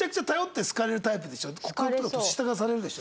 告白とか年下からされるでしょ？